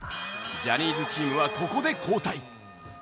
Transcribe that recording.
ジャニーズチームはここで交代。